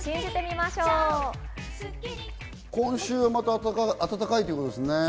今週はまた暖かいということですね。